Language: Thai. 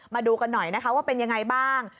มาดูกันหน่อยนะคะว่าเป็นยังไงบ้าง